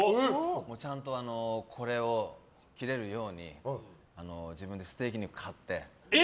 ちゃんとこれを切れるように自分でステーキ肉を買って。